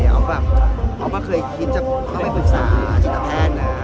เอาความคิดจะไปปรึกษาจิตแพทย์